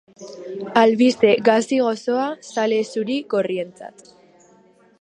Albiste gazi-gozoa zale zuri-gorrientzat.